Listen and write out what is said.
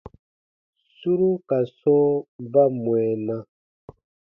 Suru ka sɔ̃ɔ ba mwɛɛna.